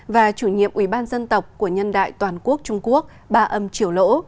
và chủ nhiệm ủy ban dân tộc của nhân đại toàn quốc trung quốc ba âm triều lỗ